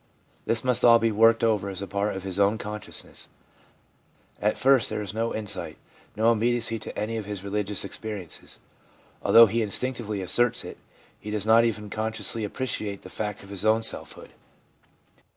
This must all be worked over as part of his own conscious ness. At first there is no insight, no immediacy to any of his religious experiences. Although he instinctively asserts it, he does not even consciously appreciate the fact of his own selfhood.